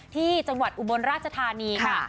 ที่จังหวัดอุบลราชธานีค่ะ